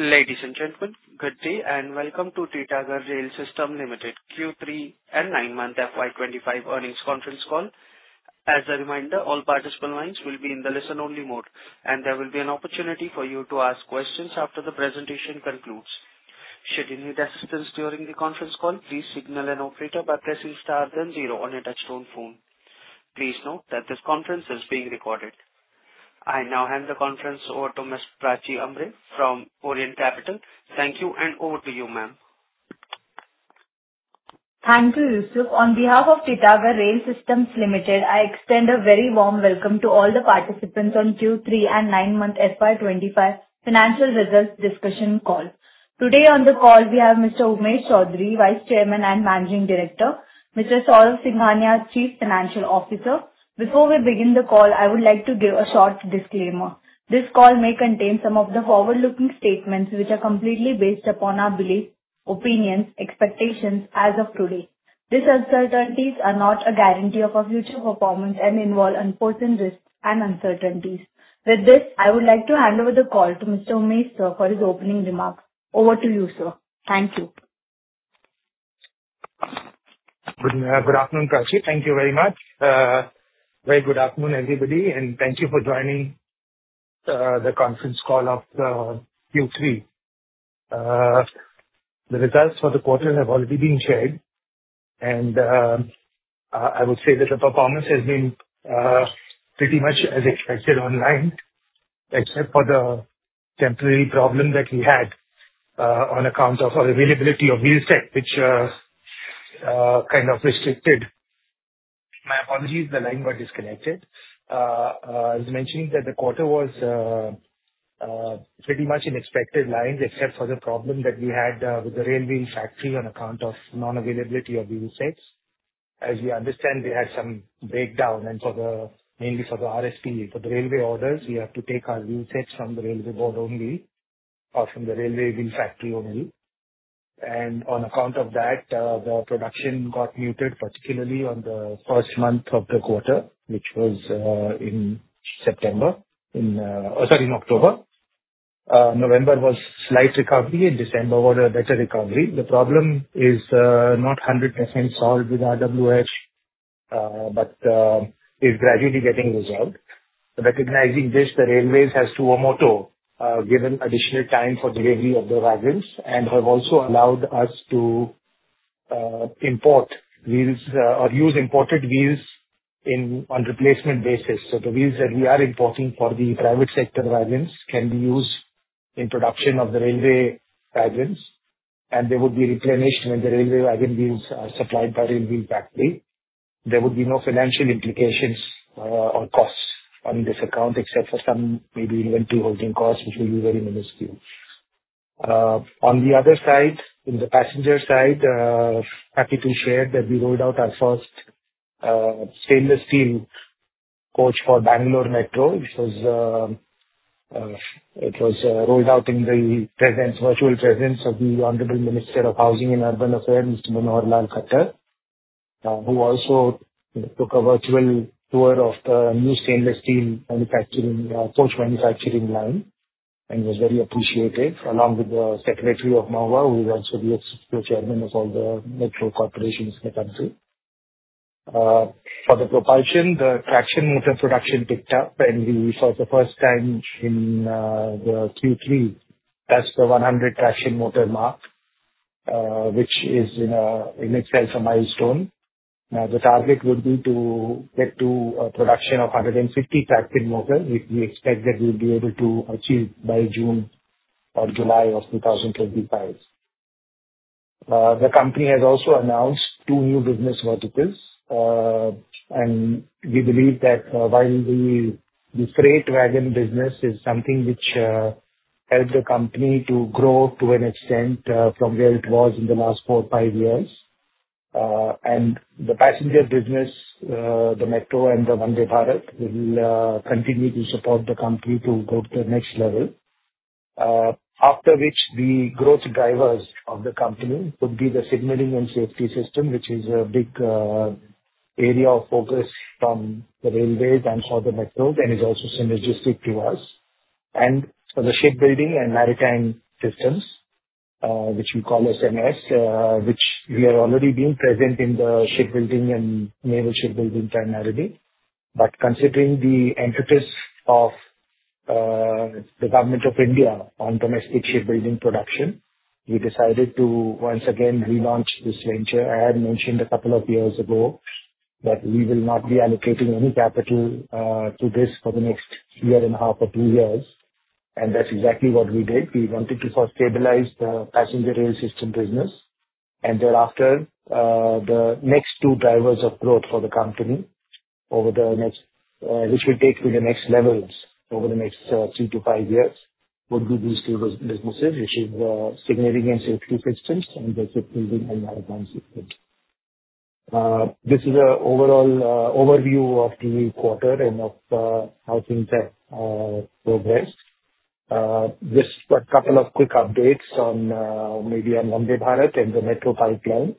Ladies and gentlemen, good day and welcome to Titagarh Rail Systems Limited Q3 and 9-month FY25 earnings conference call. As a reminder, all participant lines will be in the listen-only mode, and there will be an opportunity for you to ask questions after the presentation concludes. Should you need assistance during the conference call, please signal an operator by pressing star then zero on your touch-tone phone. Please note that this conference is being recorded. I now hand the conference over to Ms. Prachi Ambre from Orient Capital. Thank you, and over to you, ma'am. Thank you, Yusuf. On behalf of Titagarh Rail Systems Limited, I extend a very warm welcome to all the participants on Q3 and 9-month FY25 financial results discussion call. Today on the call, we have Mr. Umesh Chowdhary, Vice Chairman and Managing Director. Mr. Saurav Singhania, Chief Financial Officer. Before we begin the call, I would like to give a short disclaimer. This call may contain some of the forward-looking statements, which are completely based upon our beliefs, opinions, and expectations as of today. These uncertainties are not a guarantee of our future performance and involve unforeseen risks and uncertainties. With this, I would like to hand over the call to Mr. Umesh Sir for his opening remarks. Over to you, sir. Thank you. Good afternoon, Prachi. Thank you very much. Very good afternoon, everybody, and thank you for joining the conference call of Q3. The results for the quarter have already been shared, and I would say that the performance has been pretty much as expected in line, except for the temporary problem that we had on account of non-availability of wheelsets, which kind of restricted. My apologies, the line got disconnected. I was mentioning that the quarter was pretty much in expected lines, except for the problem that we had with the Railway Wheel Factory on account of non-availability of wheelsets. As you understand, we had some breakdown, and mainly for the RSP, for the railway orders, we had to take our wheelsets from the Railway Board only or from the Railway Wheel Factory only. And on account of that, the production got muted, particularly on the first month of the quarter, which was in September, sorry, in October. November was a slight recovery, and December was a better recovery. The problem is not 100% solved with RWF, but it's gradually getting resolved. Recognizing this, the railways have to, or more so, given additional time for delivery of the wagons and have also allowed us to import wheels or use imported wheels on a replacement basis. So the wheels that we are importing for the private sector wagons can be used in production of the railway wagons, and they would be replenished when the railway wagon wheels are supplied by the railway factory. There would be no financial implications or costs on this account, except for some maybe inventory holding costs, which will be very minuscule. On the other side, in the passenger side, I'm happy to share that we rolled out our first stainless steel coach for Bangalore Metro. It was rolled out in the virtual presence of the Honorable Minister of Housing and Urban Affairs, Mr. Manohar Lal Khattar, who also took a virtual tour of the new stainless steel manufacturing coach manufacturing line and was very appreciated, along with the Secretary of MoHUA, who is also the executive chairman of all the metro corporations in the country. For the propulsion, the traction motor production picked up, and for the first time in Q3, that's the 100 traction motor mark, which is in itself a milestone. Now, the target would be to get to a production of 150 traction motors, which we expect that we'll be able to achieve by June or July of 2025. The company has also announced two new business verticals, and we believe that while the freight wagon business is something which helped the company to grow to an extent from where it was in the last four or five years, the passenger business, the metro and the Vande Bharat, will continue to support the company to go to the next level, after which the growth drivers of the company would be the signaling and safety system, which is a big area of focus from the railways and for the metro and is also synergistic to us, and for the shipbuilding and maritime systems, which we call SMS, which we are already being present in the shipbuilding and naval shipbuilding primarily, but considering the impetus of the Government of India on domestic shipbuilding production, we decided to once again relaunch this venture. I had mentioned a couple of years ago that we will not be allocating any capital to this for the next year and a half or two years, and that's exactly what we did. We wanted to first stabilize the passenger rail system business, and thereafter, the next two drivers of growth for the company over the next, which will take to the next levels over the next three to five years, would be these two businesses, which are the signaling and safety systems and the shipbuilding and maritime systems. This is an overall overview of the quarter and of how things have progressed. Just a couple of quick updates on maybe on Vande Bharat and the metro pipeline.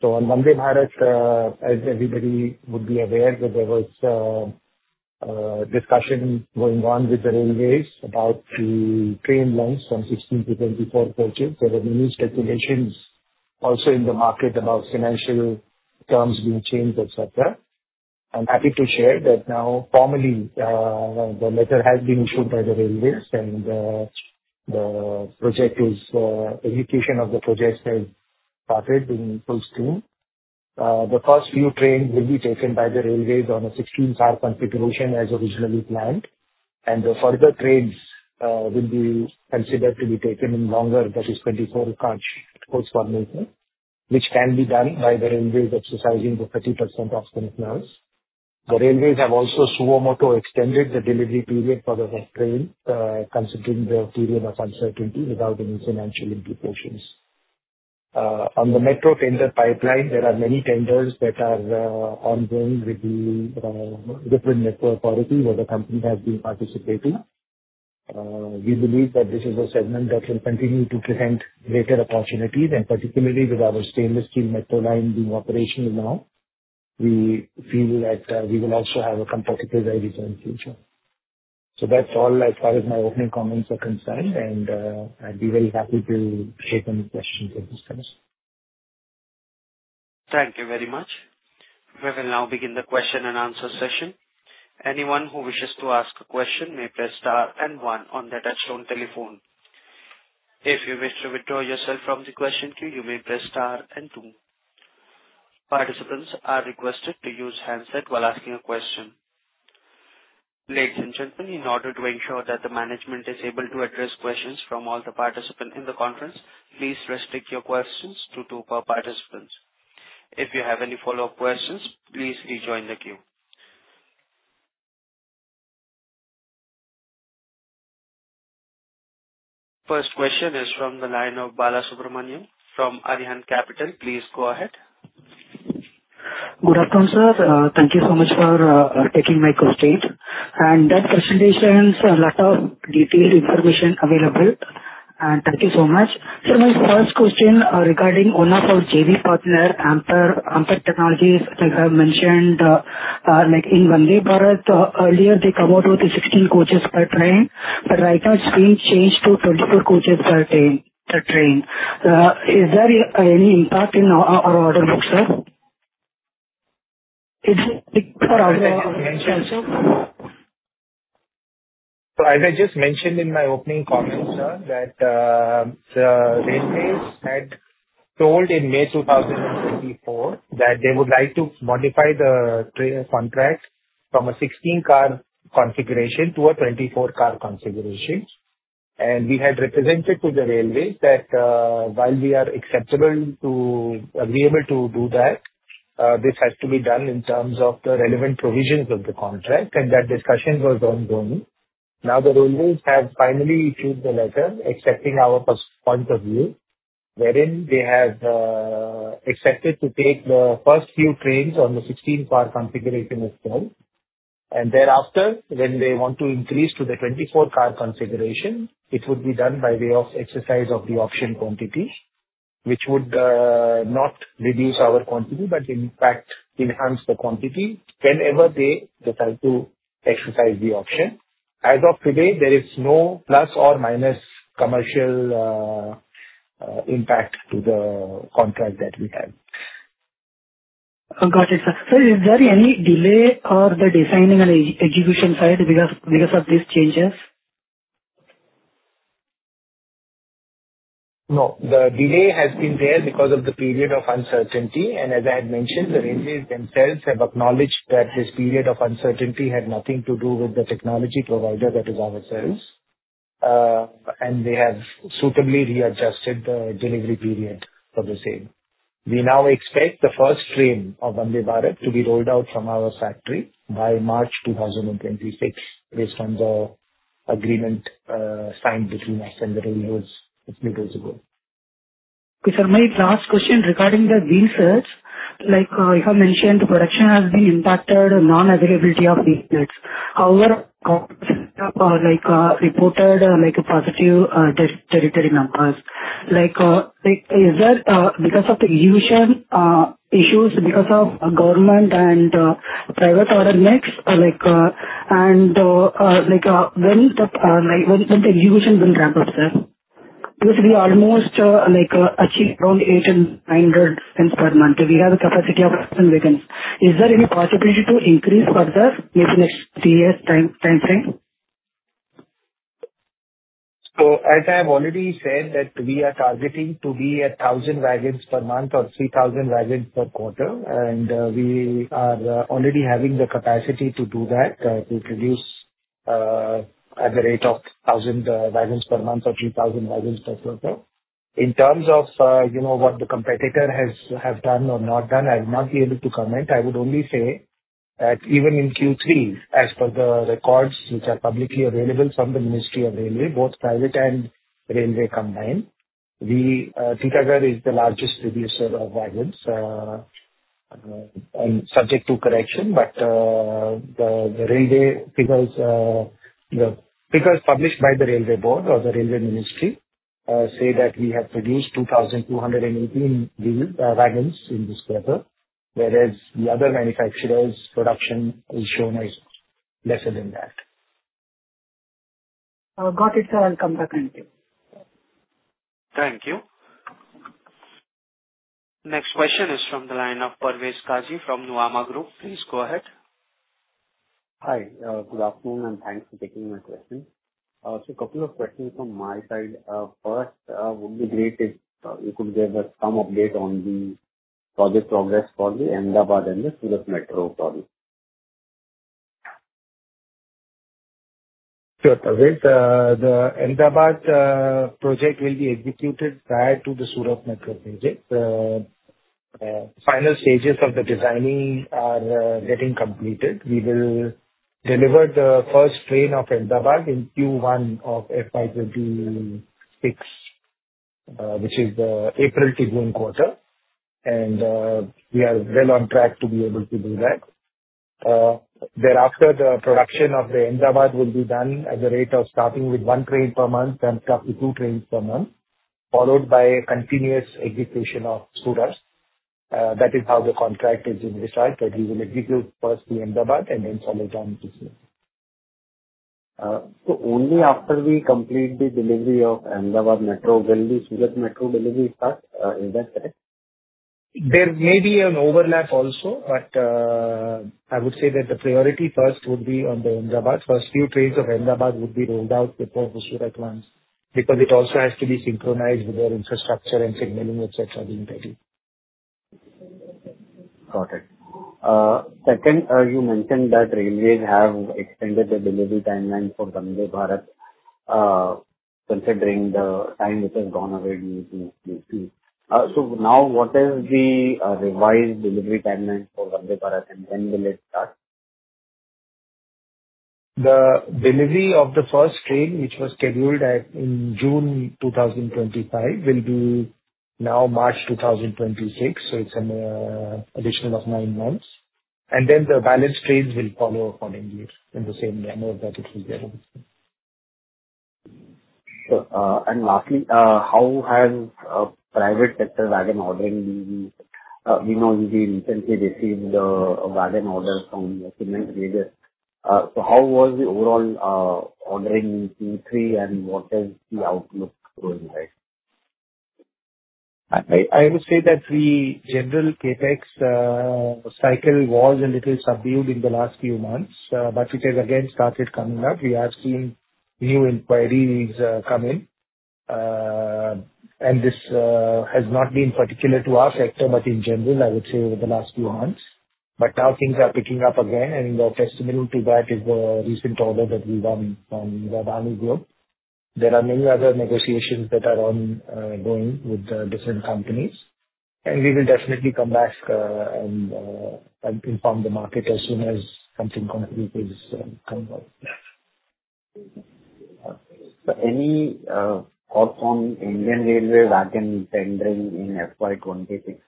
So on Vande Bharat, as everybody would be aware, there was discussion going on with the railways about the train lines from 16 to 24 coaches. There were many speculations also in the market about financial terms being changed, etc. I'm happy to share that now formally, the letter has been issued by the railways, and the execution of the project has started in full steam. The first few trains will be taken by the railways on a 16-car configuration as originally planned, and the further trains will be considered to be taken in longer, that is, 24-coach formation, which can be done by the railways exercising the 30% option clause. The railways have also suo motu extended the delivery period for the train, considering the period of uncertainty without any financial implications. On the metro tender pipeline, there are many tenders that are ongoing with the different network authorities where the company has been participating. We believe that this is a segment that will continue to present greater opportunities, and particularly with our stainless steel metro line being operational now, we feel that we will also have a competitive advantage in the future. So that's all as far as my opening comments are concerned, and I'd be very happy to take any questions at this time. Thank you very much. We will now begin the question and answer session. Anyone who wishes to ask a question may press star and one on the touch-tone telephone. If you wish to withdraw yourself from the question queue, you may press star and two. Participants are requested to use handset while asking a question. Ladies and gentlemen, in order to ensure that the management is able to address questions from all the participants in the conference, please restrict your questions to two participants. If you have any follow-up questions, please rejoin the queue. First question is from the line of Balasubramaniam from Arihant Capital. Please go ahead. Good afternoon, sir. Thank you so much for taking my question. That presentation has a lot of detailed information available, and thank you so much. Sir, my first question regarding one of our JV partners, Medha Servo Drives, as I have mentioned, like in Vande Bharat, earlier they come out with 16 coaches per train, but right now it's being changed to 24 coaches per train. Is there any impact in our order book, sir? Is it big for our? So as I just mentioned in my opening comments, sir, that the railways had told in May 2024 that they would like to modify the contract from a 16-car configuration to a 24-car configuration. And we had represented to the railways that while we are agreeable to do that, this has to be done in terms of the relevant provisions of the contract, and that discussion was ongoing. Now, the railways have finally issued the letter accepting our point of view, wherein they have accepted to take the first few trains on the 16-car configuration itself. And thereafter, when they want to increase to the 24-car configuration, it would be done by way of exercise of the option quantity, which would not reduce our quantity but, in fact, enhance the quantity whenever they decide to exercise the option. As of today, there is no plus or minus commercial impact to the contract that we have. Got it, sir. Sir, is there any delay on the designing and execution side because of these changes? No. The delay has been there because of the period of uncertainty, and as I had mentioned, the railways themselves have acknowledged that this period of uncertainty had nothing to do with the technology provider that is ourselves, and they have suitably readjusted the delivery period for the same. We now expect the first train of Vande Bharat to be rolled out from our factory by March 2026, based on the agreement signed between us and the railways a few days ago. Okay, sir. My last question regarding the wheelsets. Like you have mentioned, the production has been impacted by the non-availability of wheelsets. However, the company has reported positive territory numbers. Is there a, because of the execution issues, because of government and private order mix, and when the execution will ramp up, sir? Because we almost achieve around 800 and 900 per month, and we have a capacity of 1,000 wagons. Is there any possibility to increase further, maybe next three years' time frame? As I have already said, that we are targeting to be at 1,000 wagons per month or 3,000 wagons per quarter, and we are already having the capacity to do that, to produce at the rate of 1,000 wagons per month or 3,000 wagons per quarter. In terms of what the competitor has done or not done, I will not be able to comment. I would only say that even in Q3, as per the records which are publicly available from the Ministry of Railways, both private and railway combined, Titagarh is the largest producer of wagons, subject to correction, but the railway figures published by the Railway Board or the Railway Ministry say that we have produced 2,218 wagons in this quarter, whereas the other manufacturers' production is shown as lesser than that. Got it, sir. I'll come back and check. Thank you. Next question is from the line of Parvez Qazi from Nuvama Group. Please go ahead. Hi. Good afternoon, and thanks for taking my question, so a couple of questions from my side. First, wouldn't it be great if you could give us some update on the project progress for the Ahmedabad and the Surat Metro project? Sure. Parvez, the Ahmedabad project will be executed prior to the Surat Metro project. The final stages of the designing are getting completed. We will deliver the first train of Ahmedabad in Q1 of FY26, which is the April-June quarter, and we are well on track to be able to do that. Thereafter, the production of the Ahmedabad will be done at the rate of starting with one train per month and up to two trains per month, followed by continuous execution of Surat. That is how the contract is decided, that we will execute first the Ahmedabad and then follow down to Surat. So only after we complete the delivery of Ahmedabad Metro will the Surat Metro delivery start? Is that correct? There may be an overlap also, but I would say that the priority first would be on the Ahmedabad. First few trains of Ahmedabad would be rolled out before the Surat ones because it also has to be synchronized with their infrastructure and signaling, etc. being ready. Got it. Second, you mentioned that railways have extended the delivery timeline for Vande Bharat, considering the time which has gone away due to Q2. So now, what is the revised delivery timeline for Vande Bharat, and when will it start? The delivery of the first train, which was scheduled in June 2025, will now be March 2026, so it's an additional nine months. And then the balance trains will follow accordingly in the same manner that it was there in the spring. Lastly, how has private sector wagon ordering been? We know we recently received a wagon order from the cement majors. How was the overall ordering in Q3, and what is the outlook going ahead? I would say that the general CapEx cycle was a little subdued in the last few months, but it has again started coming up. We have seen new inquiries come in, and this has not been particular to our sector, but in general, I would say over the last few months. But now things are picking up again, and the testimonial to that is the recent order that we won from Adani Group. There are many other negotiations that are ongoing with different companies, and we will definitely come back and inform the market as soon as something concrete is coming out. Any thoughts on Indian Railways wagon tendering in FY26,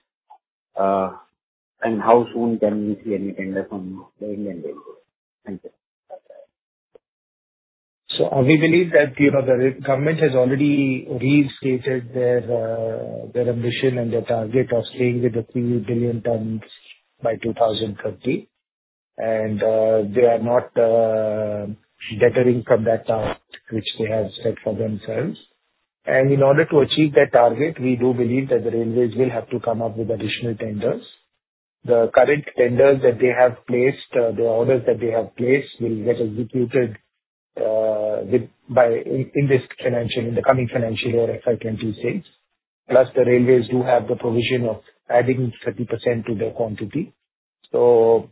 and how soon can we see any tender from the Indian Railways? Thank you. So we believe that the government has already restated their ambition and their target of staying with the 3 billion tons by 2030, and they are not deterring from that target which they have set for themselves. And in order to achieve that target, we do believe that the railways will have to come up with additional tenders. The current tenders that they have placed, the orders that they have placed, will get executed in the coming financial year FY26. Plus, the railways do have the provision of adding 30% to their quantity. So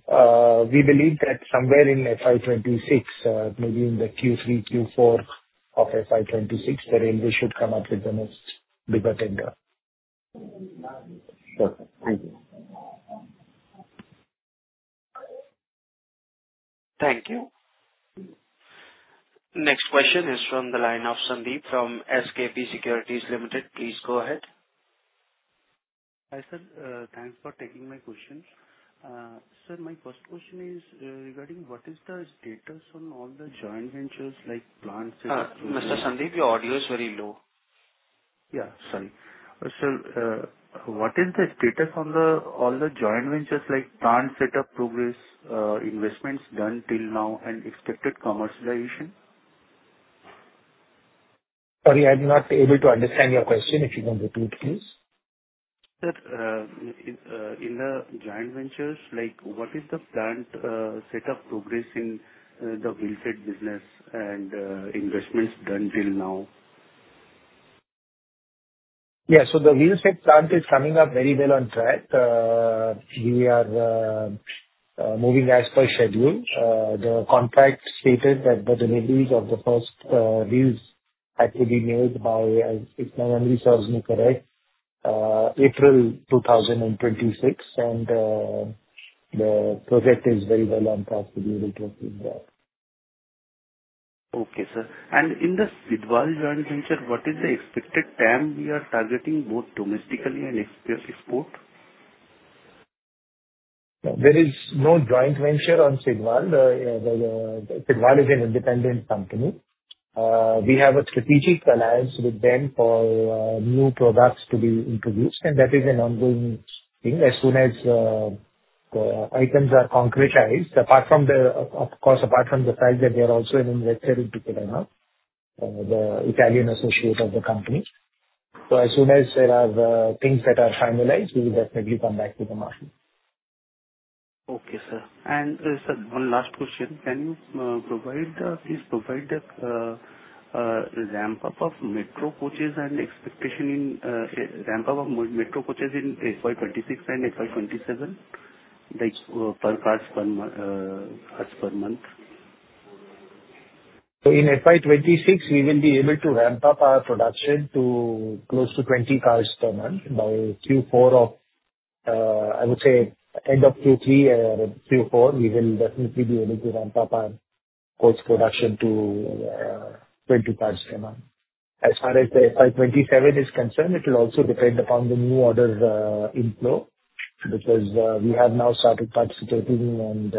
we believe that somewhere in FY26, maybe in the Q3, Q4 of FY26, the railways should come up with the next bigger tender. Sure. Thank you. Thank you. Next question is from the line of Sandeep from SKP Securities Limited. Please go ahead. Hi sir. Thanks for taking my question. Sir, my first question is regarding what is the status on all the joint ventures like plant setup? Mr. Sandeep, your audio is very low. Yeah. Sorry. Sir, what is the status on all the joint ventures like plant setup progress, investments done till now, and expected commercialization? Sorry, I'm not able to understand your question. If you can repeat, please. Sir, in the joint ventures, what is the plant setup progress in the wheelset business and investments done till now? Yeah. So the wheelset plant is coming up very well on track. We are moving as per schedule. The contract stated that the deliveries of the first wheels had to be made by, if my memory serves me correct, April 2026, and the project is very well on track to be able to achieve that. Okay, sir, and in the Sidwal joint venture, what is the expected time we are targeting, both domestically and export? There is no joint venture on Sidwal. Sidwal is an independent company. We have a strategic alliance with them for new products to be introduced, and that is an ongoing thing as soon as the items are concretized. Of course, apart from the fact that they are also an investor in Titagarh Firema, the Italian associate of the company. So as soon as there are things that are finalized, we will definitely come back to the market. Okay, sir. And sir, one last question. Can you please provide a ramp-up of metro coaches and expectation in ramp-up of metro coaches in FY26 and FY27, like per cars per month? So in FY26, we will be able to ramp up our production to close to 20 cars per month. By Q4 of, I would say, end of Q3 or Q4, we will definitely be able to ramp up our coach production to 20 cars per month. As far as FY27 is concerned, it will also depend upon the new order inflow because we have now started participating and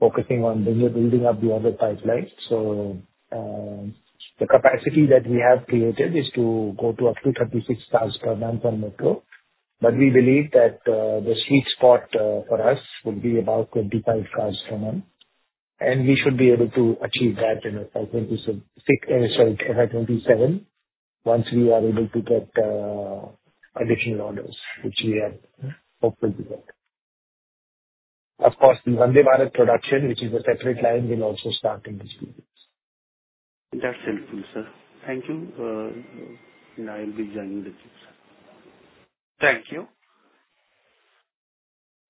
focusing on building up the order pipeline. So the capacity that we have created is to go to up to 36 cars per month on metro, but we believe that the sweet spot for us would be about 25 cars per month, and we should be able to achieve that in FY27 once we are able to get additional orders, which we are hopeful to get. Of course, the Vande Bharat production, which is a separate line, will also start in this week. That's helpful, sir. Thank you. And I'll be joining the team, sir. Thank you.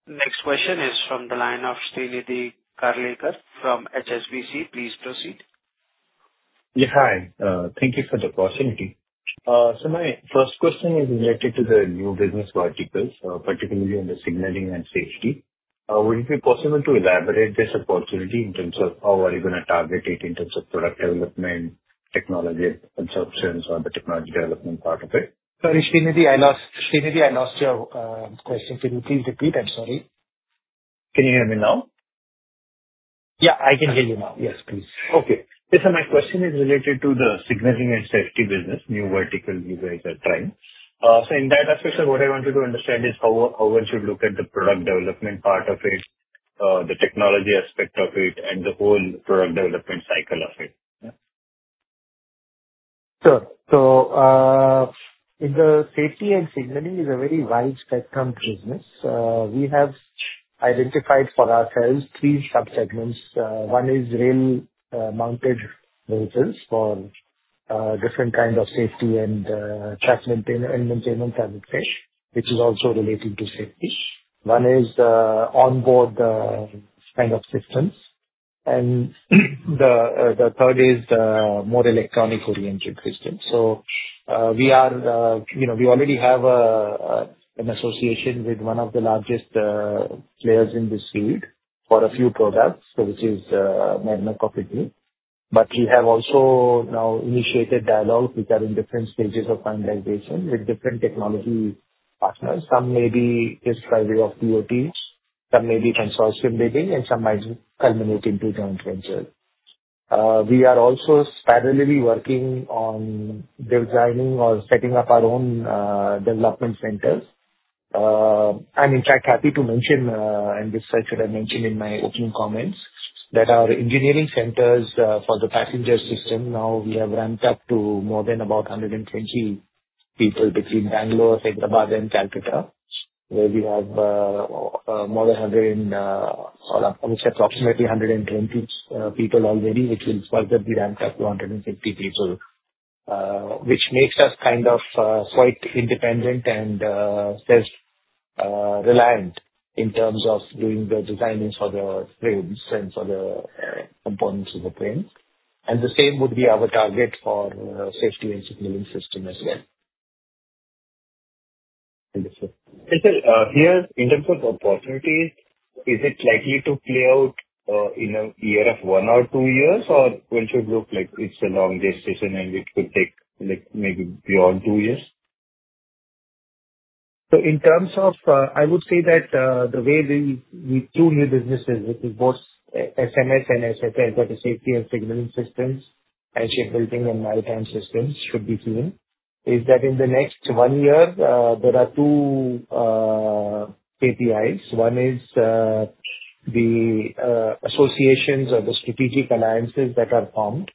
Next question is from the line of Shrinidhi Karlekar from HSBC. Please proceed. Yeah. Hi. Thank you for the opportunity. Sir, my first question is related to the new business verticals, particularly in the signaling and safety. Would it be possible to elaborate this opportunity in terms of how are you going to target it in terms of product development, technology consumption, or the technology development part of it? Sorry, Srinidhi, I lost your question. Can you please repeat? I'm sorry. Can you hear me now? Yeah. I can hear you now. Yes, please. Okay. Sir, my question is related to the signaling and safety business, new vertical you guys are trying. So in that aspect, sir, what I wanted to understand is how one should look at the product development part of it, the technology aspect of it, and the whole product development cycle of it. Sure. So in the safety and signaling, it is a very wide-spectrum business. We have identified for ourselves three subsegments. One is rail-mounted vehicles for different kinds of safety and track maintenance, I would say, which is also related to safety. One is onboard kind of systems, and the third is more electronic-oriented systems. So we already have an association with one of the largest players in this field for a few products, which is Medha Servo Drives, but we have also now initiated dialogue. We are in different stages of finalization with different technology partners. Some may be just by way of ToTs, some may be consortium bidding, and some might culminate into joint ventures. We are also seriously working on designing or setting up our own development centers. I'm, in fact, happy to mention, and this I should have mentioned in my opening comments, that our engineering centers for the passenger system now, we have ramped up to more than about 120 people between Bangalore, Hyderabad, and Calcutta, where we have more than 100, I would say approximately 120 people already, which will further be ramped up to 150 people, which makes us kind of quite independent and self-reliant in terms of doing the designing for the trains and for the components of the trains. And the same would be our target for safety and signaling system as well. Sir, here, in terms of opportunities, is it likely to play out in a year of one or two years, or when should it look like it's a long distance and it could take maybe beyond two years? So, in terms of, I would say, the way we do new businesses, which is both SMS and SSS, that is safety and signaling systems, and shipbuilding and maritime systems, should be seen is that in the next one year, there are two KPIs. One is the associations or the strategic alliances that are formed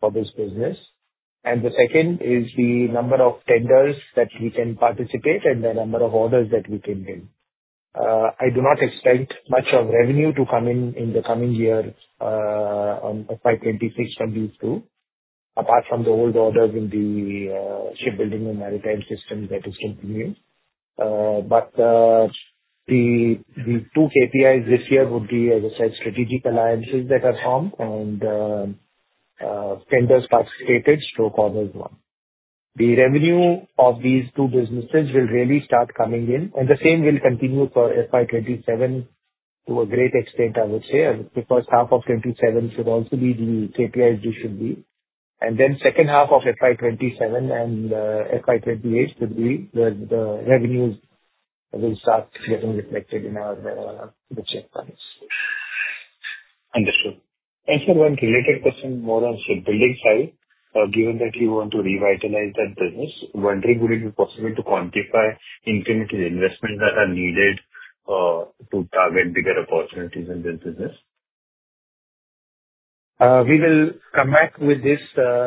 for this business, and the second is the number of tenders that we can participate and the number of orders that we can give. I do not expect much of revenue to come in in the coming year on FY26 and Q2, apart from the old orders in the shipbuilding and maritime systems that is continuing. But the two KPIs this year would be, as I said, strategic alliances that are formed and tenders participated, stroke orders won. The revenue of these two businesses will really start coming in, and the same will continue for FY27 to a great extent, I would say. I would say the first half of '27 should also be the KPIs we should be, and then second half of FY27 and FY28 should be where the revenues will start getting reflected in our cash funds. Understood. And sir, one related question more on shipbuilding side. Given that you want to revitalize that business, wondering, would it be possible to quantify incremental investments that are needed to target bigger opportunities in this business? We will come back with these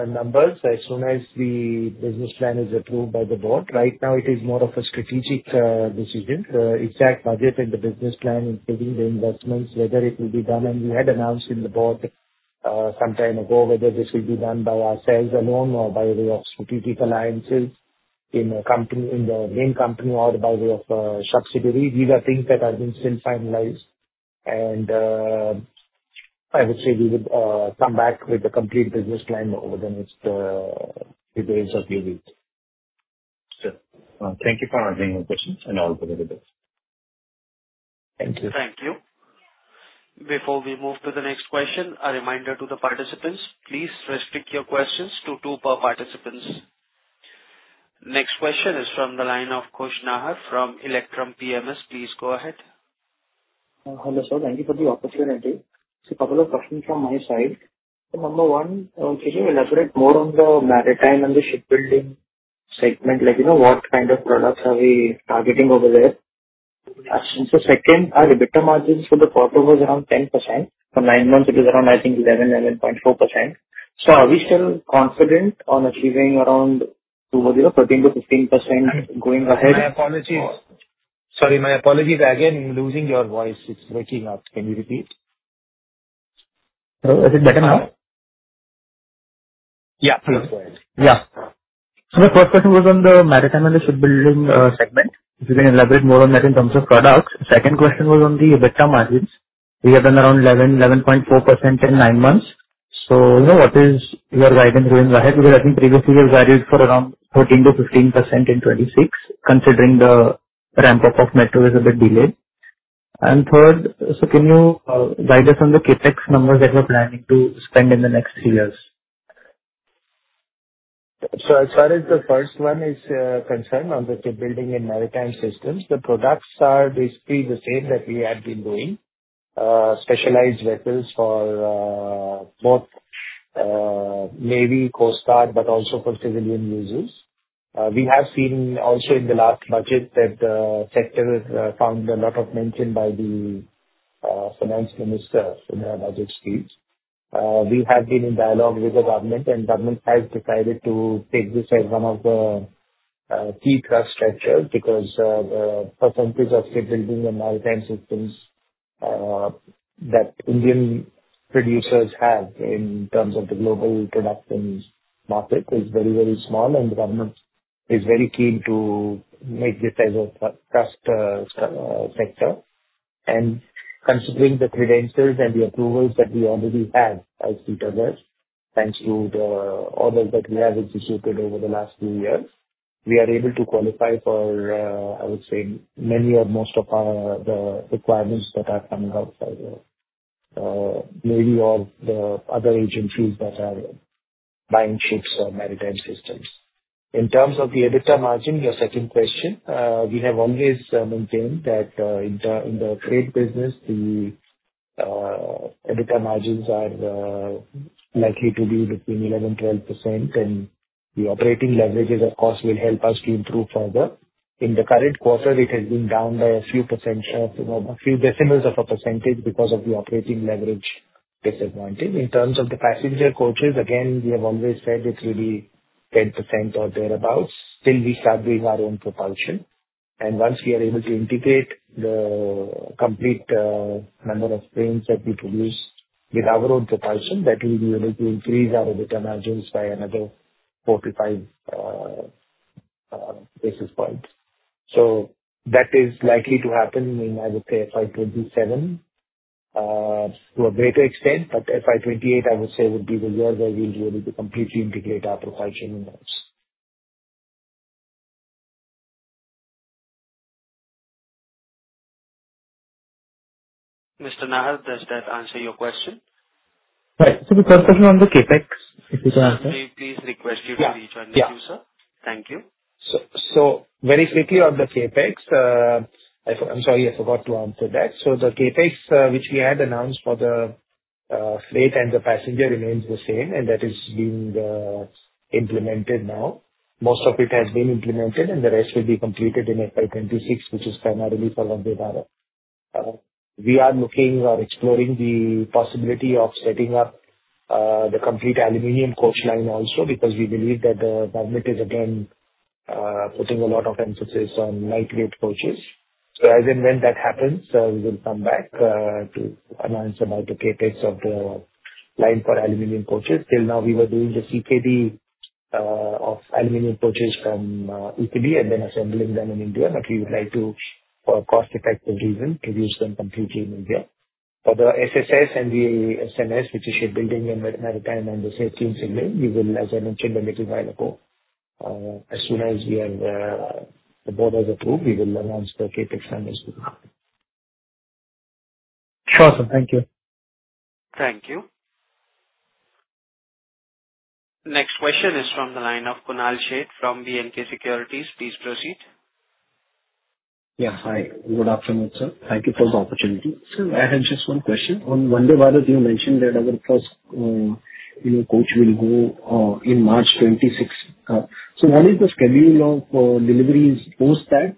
numbers as soon as the business plan is approved by the board. Right now, it is more of a strategic decision. The exact budget and the business plan, including the investments, whether it will be done, and we had announced in the board some time ago whether this will be done by ourselves alone or by way of strategic alliances in the main company or by way of subsidiaries. These are things that are still finalized, and I would say we would come back with the complete business plan over the next few days or few weeks. Sure. Thank you for answering my questions, and I'll be with you. Thank you. Thank you. Before we move to the next question, a reminder to the participants, please restrict your questions to two per participants. Next question is from the line of Khush Nahar from Electrum PMS. Please go ahead. Hello, sir. Thank you for the opportunity. So a couple of questions from my side. So number one, can you elaborate more on the maritime and the shipbuilding segment? What kind of products are we targeting over there? So second, our EBITDA margin for the port was around 10%. For nine months, it was around, I think, 11, 11.4%. So are we still confident on achieving around 13%-15% going ahead? Sorry, my apologies. I again am losing your voice. It's breaking up. Can you repeat? Hello. Is it better now? Yeah. Please go ahead. Yeah. So my first question was on the maritime and the shipbuilding segment. If you can elaborate more on that in terms of products. Second question was on the EBITDA margins. We have done around 11-11.4% in nine months. So what is your guidance going ahead? Because I think previously we have valued for around 13%-15% in 2026, considering the ramp-up of metro is a bit delayed. And third, so can you guide us on the Capex numbers that we're planning to spend in the next three years? So as far as the first one is concerned on the shipbuilding and maritime systems, the products are basically the same that we have been doing: specialized vessels for both navy, coast guard, but also for civilian users. We have seen also in the last budget that the sector found a lot of mention by the finance minister in our budget speech. We have been in dialogue with the government, and the government has decided to take this as one of the key trust structures because the percentage of shipbuilding and maritime systems that Indian producers have in terms of the global production market is very, very small, and the government is very keen to make this as a trust sector. Considering the credentials and the approvals that we already have as uncertain, thanks to the orders that we have executed over the last few years, we are able to qualify for, I would say, many or most of the requirements that are coming outside of navy or the other agencies that are buying ships or maritime systems. In terms of the EBITDA margin, your second question, we have always maintained that in the trade business, the EBITDA margins are likely to be between 11-12%, and the operating leverage, of course, will help us to improve further. In the current quarter, it has been down by a few percent, a few decimals of a percentage because of the operating leverage disadvantage. In terms of the passenger coaches, again, we have always said it's really 10% or thereabouts. Still, we start doing our own propulsion. Once we are able to integrate the complete number of trains that we produce with our own propulsion, that will be able to increase our EBITDA margins by another four to five basis points. That is likely to happen in, I would say, FY27 to a greater extent, but FY28, I would say, would be the year where we'll be able to completely integrate our propulsion in those. Mr. Nahar, does that answer your question? Right. So the third question on the CapEx, if you can answer. Can you please request you to rejoin the queue, sir? Yeah. Thank you. So very quickly on the CapEx, I'm sorry, I forgot to answer that. So the CapEx, which we had announced for the freight and the passenger, remains the same, and that is being implemented now. Most of it has been implemented, and the rest will be completed in FY26, which is primarily for Vande Bharat. We are looking or exploring the possibility of setting up the complete aluminum coach line also because we believe that the government is, again, putting a lot of emphasis on lightweight coaches. So as and when that happens, we will come back to announce about the CapEx of the line for aluminum coaches. Till now, we were doing the CKD of aluminum coaches from TFA and then assembling them in India, but we would like to, for a cost-effective reason, produce them completely in India. For the SSS and the SMS, which is shipbuilding and maritime and the safety and signaling, we will, as I mentioned a little while ago, as soon as the board has approved, we will announce the CapEx and. Sure, sir. Thank you. Thank you. Next question is from the line of Kunal Sheth from B&K Securities. Please proceed. Yeah. Hi. Good afternoon, sir. Thank you for the opportunity. Sir, I had just one question. On Vande Bharat, you mentioned that our first coach will go in March 2026. So what is the schedule of deliveries post that?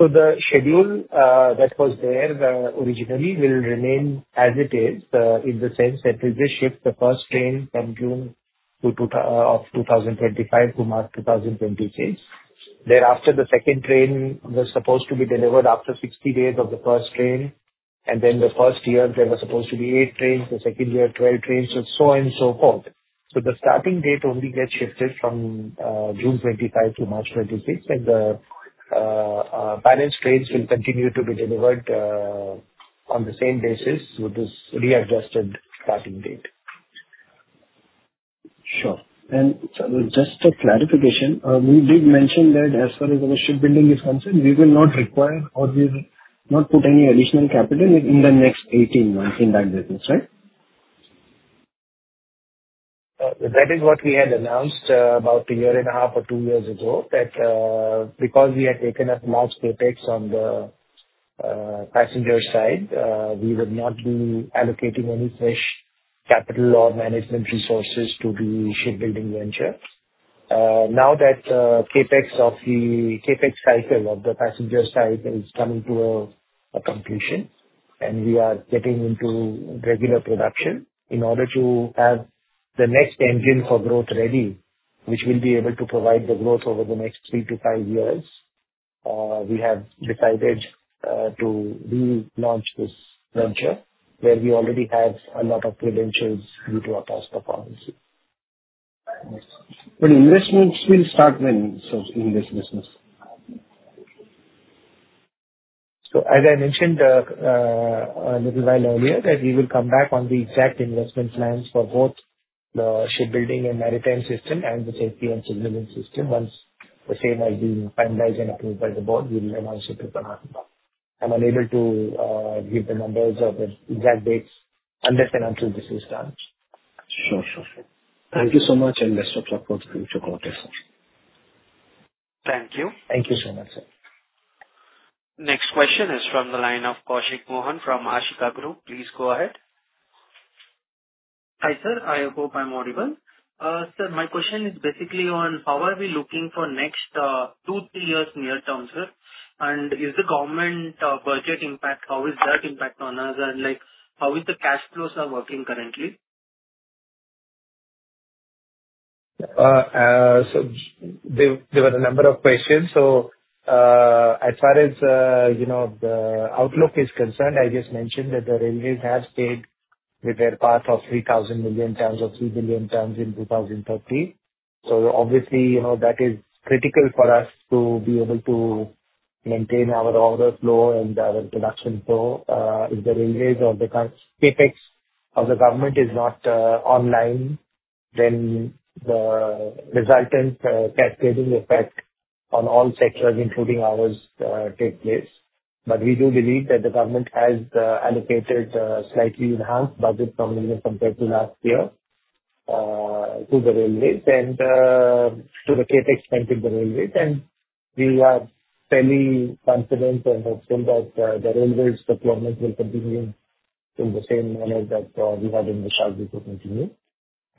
The schedule that was there originally will remain as it is in the sense that we will shift the first train from June of 2025 to March 2026. Thereafter, the second train was supposed to be delivered after 60 days of the first train, and then the first year, there were supposed to be eight trains, the second year, 12 trains, so on and so forth. The starting date only gets shifted from June 2025 to March 2026, and the balance trains will continue to be delivered on the same basis with this readjusted starting date. Sure. And just a clarification, you did mention that as far as shipbuilding is concerned, we will not require or we will not put any additional capital in the next 18 months in that business, right? That is what we had announced about a year and a half or two years ago that because we had taken up large CapEx on the passenger side, we would not be allocating any fresh capital or management resources to the shipbuilding venture. Now that the CapEx cycle of the passenger side is coming to a completion and we are getting into regular production, in order to have the next engine for growth ready, which will be able to provide the growth over the next three to five years, we have decided to relaunch this venture where we already have a lot of credentials due to our past performance. But investments will start when, sir, in this business? As I mentioned a little while earlier, we will come back on the exact investment plans for both the shipbuilding and maritime systems and the safety and signaling systems once the same has been finalized and approved by the board. We will announce it to the government. I'm unable to give the numbers or the exact dates unless and until this is done. Sure, sure, sure. Thank you so much, and best of luck for the future quarter, sir. Thank you. Thank you so much, sir. Next question is from the line of Koushik Mohan from Ashika Group. Please go ahead. Hi, sir. I hope I'm audible. Sir, my question is basically on how are we looking for next two, three years near term, sir? And is the government budget impact? How is that impact on us, and how is the cash flows are working currently? There were a number of questions. As far as the outlook is concerned, I just mentioned that the railways have stayed with their path of 3,000 million tons or 3 billion tons in 2030. Obviously, that is critical for us to be able to maintain our order flow and our production flow. If the railways or the CapEx of the government is not online, then the resultant cascading effect on all sectors, including ours, takes place. We do believe that the government has allocated a slightly enhanced budget compared to last year to the railways and to the CapEx spent in the railways. We are fairly confident and hopeful that the railways' performance will continue in the same manner that we had in the past. It will continue.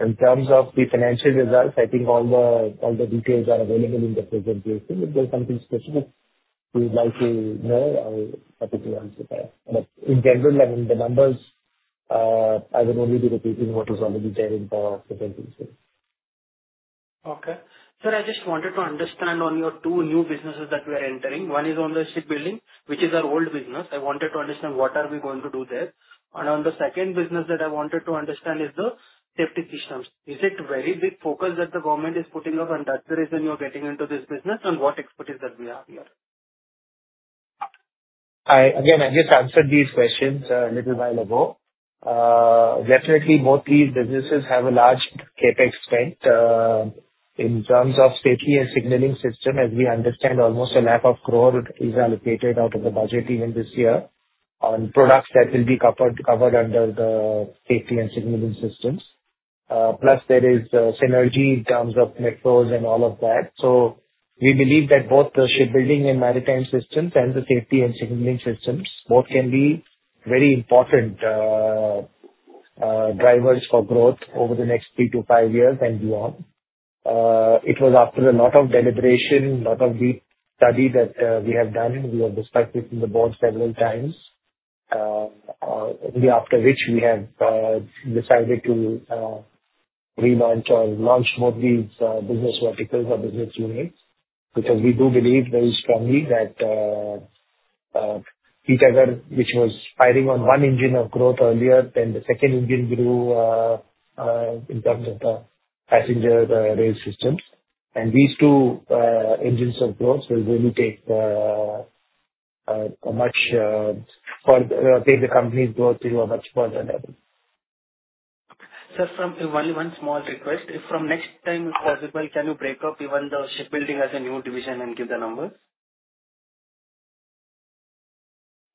In terms of the financial results, I think all the details are available in the presentation. If there's something specific you'd like to know, I'm happy to answer that. But in general, I mean, the numbers, I would only be repeating what was already there in the presentation. Okay. Sir, I just wanted to understand on your two new businesses that we are entering. One is on the shipbuilding, which is our old business. I wanted to understand what are we going to do there. And on the second business that I wanted to understand is the safety systems. Is it a very big focus that the government is putting up, and that's the reason you're getting into this business, and what expertise that we have here? Again, I just answered these questions a little while ago. Definitely, both these businesses have a large CapEx spent in terms of safety and signaling system, as we understand almost a lakh crore is allocated out of the budget even this year on products that will be covered under the safety and signaling systems. Plus, there is synergy in terms of metros and all of that. So we believe that both the shipbuilding and maritime systems and the safety and signaling systems both can be very important drivers for growth over the next three to five years and beyond. It was after a lot of deliberation, a lot of deep study that we have done. We have discussed this in the board several times, after which we have decided to relaunch or launch both these business verticals or business units because we do believe very strongly that each other, which was firing on one engine of growth earlier, then the second engine grew in terms of the passenger rail systems, and these two engines of growth will really take the company's growth to a much further level. Sir, only one small request. If from next time if possible, can you break up even the shipbuilding as a new division and give the numbers?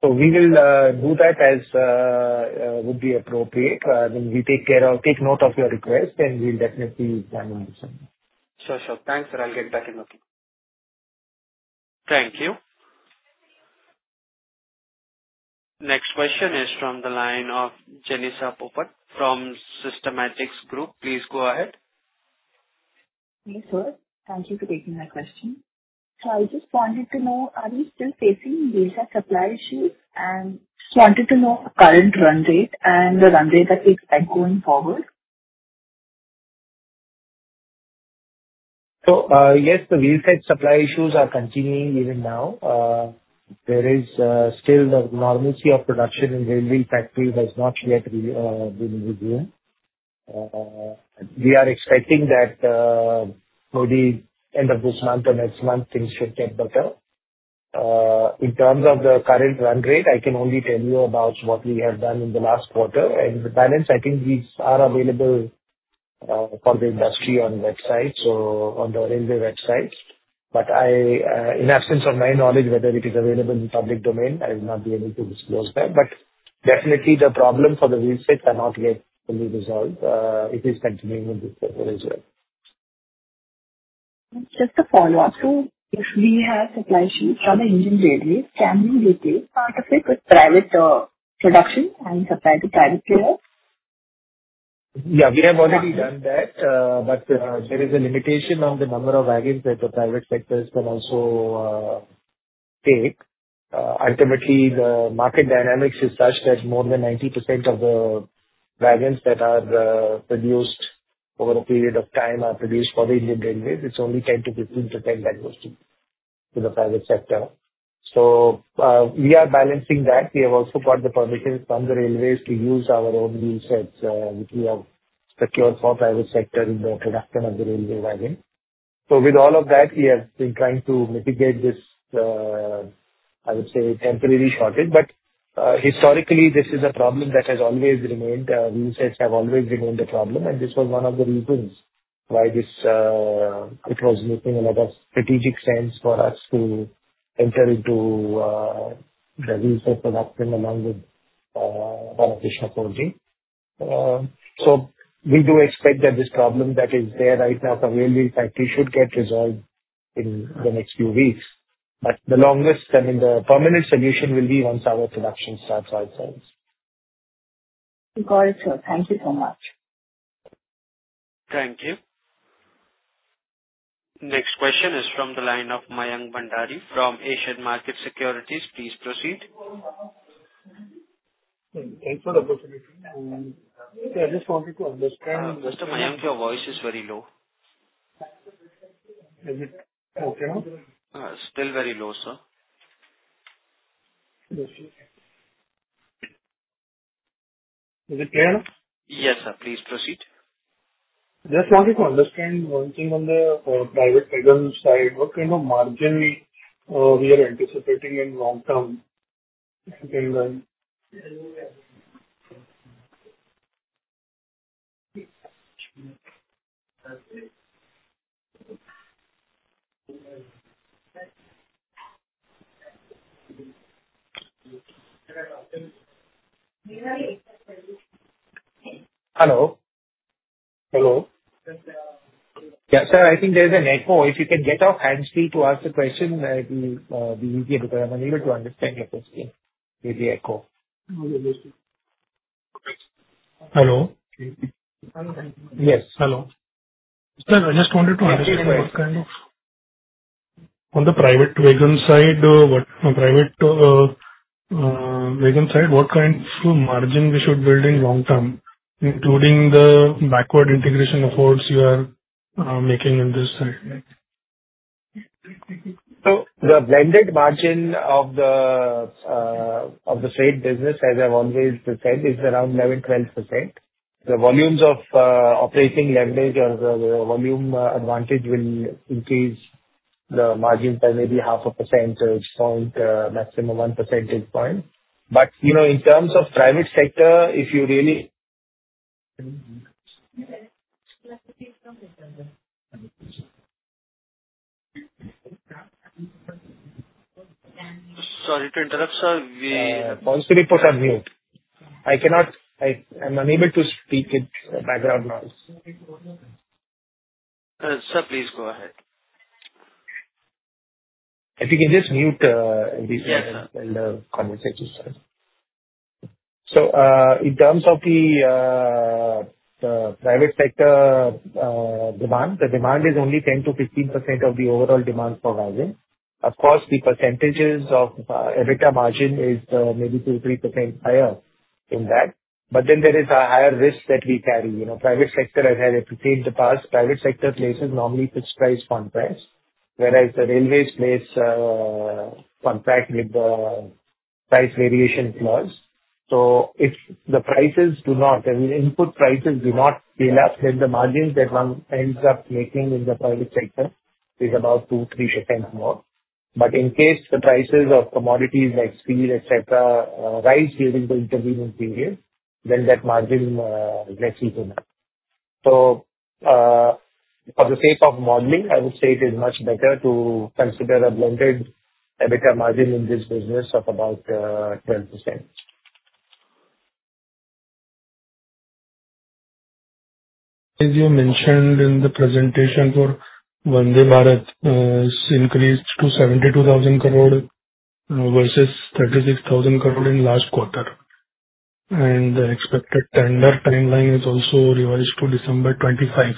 So we will do that as would be appropriate. I mean, we take note of your request, and we'll definitely plan on doing so. Sure, sure. Thanks, sir. I'll get back in the call. Thank you. Next question is from the line of Jennisa Popat from Systematix Group. Please go ahead. Thank you, sir. Thank you for taking my question. So I just wanted to know, are we still facing wheelset supply issues? And just wanted to know current run rate and the run rate that we expect going forward. So yes, the wheelset supply issues are continuing even now. There is still the normalcy of production in railway factories has not yet been resumed. We are expecting that by the end of this month or next month, things should get better. In terms of the current run rate, I can only tell you about what we have done in the last quarter. And the balance, I think these are available for the industry on the website, so on the railway website. But in absence of my knowledge, whether it is available in public domain, I will not be able to disclose that. But definitely, the problem for the wheelset cannot yet fully resolved. It is continuing in this quarter as well. Just a follow-up. So if we have supply issues for the Indian Railways, can we replace part of it with private production and supply to private players? Yeah. We have already done that, but there is a limitation on the number of wagons that the private sectors can also take. Ultimately, the market dynamics is such that more than 90% of the wagons that are produced over a period of time are produced for the Indian Railways. It's only 10%-15% that goes to the private sector. So we are balancing that. We have also got the permissions from the railways to use our own wheelsets which we have secured for private sector in the production of the railway wagon. So with all of that, we have been trying to mitigate this, I would say, temporary shortage. But historically, this is a problem that has always remained. Wheelsets have always remained a problem, and this was one of the reasons why this was missing a lot of strategic sense for us to enter into the wheelset production along with one of the shipbuilding. So we do expect that this problem that is there right now for Railway Wheel Factory should get resolved in the next few weeks. But the longest, I mean, the permanent solution will be once our production starts ourselves. Got it, sir. Thank you so much. Thank you. Next question is from the line of Mayank Bhandari from Asian Market Securities. Please proceed. Thanks for the opportunity. I just wanted to understand. Mr. Mayank, your voice is very low. Is it okay now? Still very low, sir. Okay. Is it clear now? Yes, sir. Please proceed. Just wanted to understand one thing on the private wagon side. What kind of margin we are anticipating in long term? Hello. Hello? Yes, sir. I think there's an echo. If you can go hands-free to ask the question, that will be easier because I'm unable to understand your question with the echo. Okay. Hello. Yes. Hello. No, no. I just wanted to understand what kind of margin on the private wagon side we should build in long term, including the backward integration efforts you are making on this side? So the blended margin of the freight business, as I've always said, is around 11%-12%. The volumes of operating leverage or the volume advantage will increase the margin by maybe half a percentage point, maximum 1 percentage point. But in terms of private sector, if you really. Sorry to interrupt, sir. We also need to put on mute. I cannot. I'm unable to speak. It's background noise. Sir, please go ahead. If you can just mute and be silent and concentrate yourself. In terms of the private sector demand, the demand is only 10%-15% of the overall demand for wagons. Of course, the percentage of EBITDA margin is maybe 2%-3% higher in that. But then there is a higher risk that we carry. Private sector, as I have explained in the past, private sector places normally fixed price contracts, whereas the railways place contracts with the price variation clause. So if the prices do not, if the input prices do not go up, then the margin that one ends up making in the private sector is about 2%-3% more. But in case the prices of commodities like steel, etc., rise during the intervening period, then that margin is less or equal. So for the sake of modeling, I would say it is much better to consider a blended EBITDA margin in this business of about 12%. As you mentioned in the presentation, for Vande Bharat, it's increased to 72,000 crore versus 36,000 crore in last quarter, and the expected tender timeline is also revised to December 25,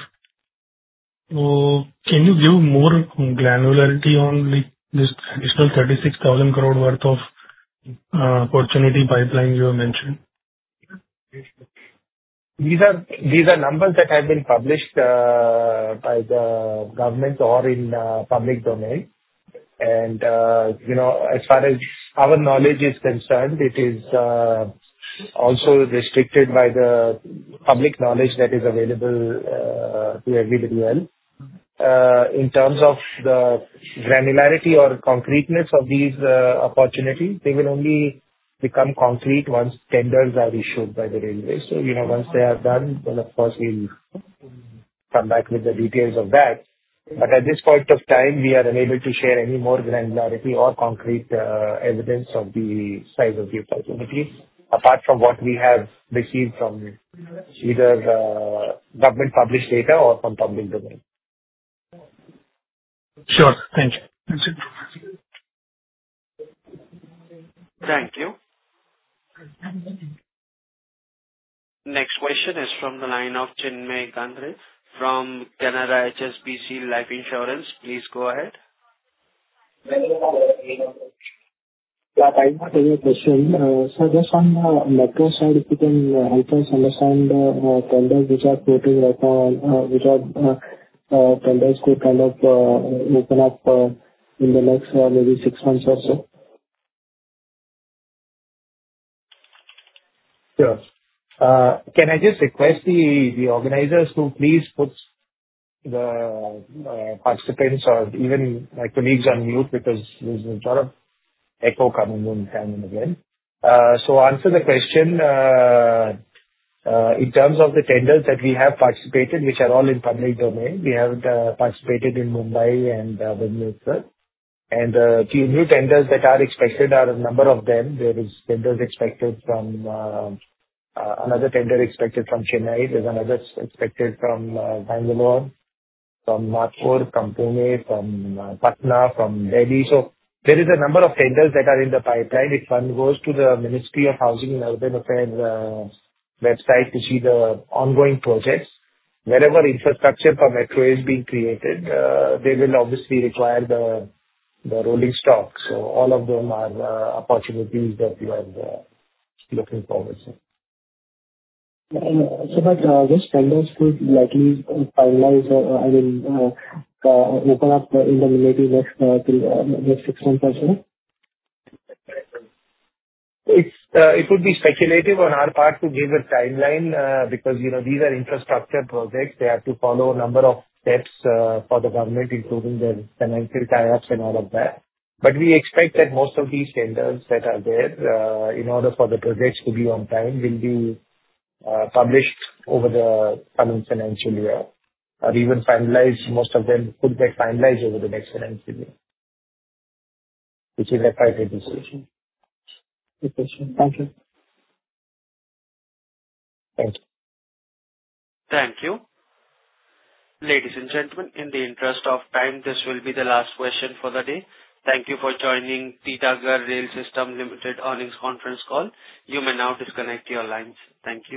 so can you give more granularity on this additional 36,000 crore worth of opportunity pipeline you have mentioned? These are numbers that have been published by the government or in public domain. And as far as our knowledge is concerned, it is also restricted by the public knowledge that is available to everybody else. In terms of the granularity or concreteness of these opportunities, they will only become concrete once tenders are issued by the railways. So once they are done, then of course, we'll come back with the details of that. But at this point of time, we are unable to share any more granularity or concrete evidence of the size of these opportunities apart from what we have received from either government-published data or from public domain. Sure. Thank you. Thank you. Next question is from the line of Chinmay Gandre from Canara HSBC Life Insurance. Please go ahead. Yeah. I have a question. So just on the metro side, if you can help us understand tenders which are floating right now, which are tenders could kind of open up in the next maybe six months or so? Sure. Can I just request the organizers to please put the participants or even my colleagues on mute because there's a lot of echo coming in time and again? So answer the question. In terms of the tenders that we have participated, which are all in public domain, we have participated in Mumbai and Vande Bharat. And the new tenders that are expected are a number of them. There is tenders expected from another tender expected from Chennai. There's another expected from Bangalore, from Nagpur, from Pune, from Patna, from Delhi. So there is a number of tenders that are in the pipeline. If one goes to the Ministry of Housing and Urban Affairs website to see the ongoing projects, wherever infrastructure for metro is being created, they will obviously require the rolling stock. So all of them are opportunities that we are looking forward to. So much of these tenders could likely finalize, I mean, open up in the next six months or so? It would be speculative on our part to give a timeline because these are infrastructure projects. They have to follow a number of steps for the government, including the financial tie-ups and all of that. But we expect that most of these tenders that are there in order for the projects to be on time will be published over the coming financial year or even finalized. Most of them could get finalized over the next financial year, which is a private decision. Good question. Thank you. Thank you. Ladies and gentlemen, in the interest of time, this will be the last question for the day. Thank you for joining Titagarh Rail Systems Limited Earnings Conference Call. You may now disconnect your lines. Thank you.